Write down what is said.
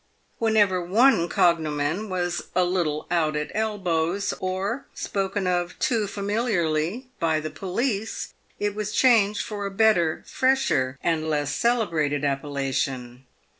Whenever one cogno men was a little out at elbows, or spoken of too familiarly by the police, it was changed for a better, fresher, and less celebrated appel lation.